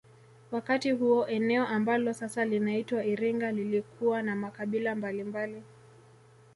Wakati huo eneo ambalo sasa linaitwa iringa lilikuwa na makabila mbalimbali